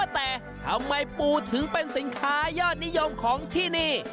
แต่ทำไมปูถึงเป็นสินค้ายอดนิยมของที่นี่